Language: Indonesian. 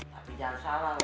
tapi jangan salah lo